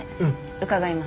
伺います。